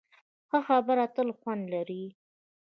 ښه خبره تل خوند لري.